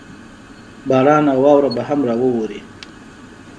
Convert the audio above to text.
باران او واوره به هم راووري.